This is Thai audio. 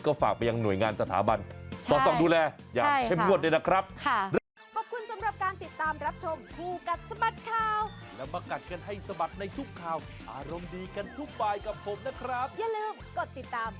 ก็ฝากไปยังหน่วยงานสถาบันสอดส่องดูแลอย่างเข้มงวดด้วยนะครับ